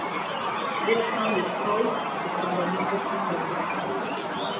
This sound is called the fundamental sound of the string.